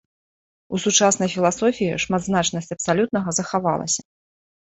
У сучаснай філасофіі шматзначнасць абсалютнага захавалася.